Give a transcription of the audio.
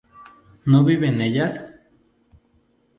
¿no viven ellas?